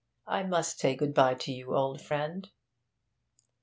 I must say good bye to you, old friend.'